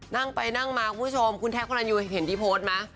ขออนุญาตมากว่าคุณแท็กเห็นที่โพสต์มา